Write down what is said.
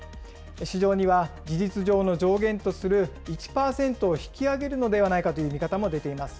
市場には事実上の上限とする１％を引き上げるのではないかという見方も出ています。